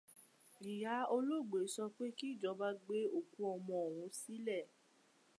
Ìyá olóògbé sọ pé kí ìjọba gbé òkú ọmọ òun sílẹ̀